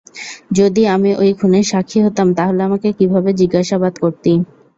যদি আমি ঐ খুনের সাক্ষী হতাম, তাহলে আমাকে কিভাবে জিজ্ঞাসাবাদ করতি?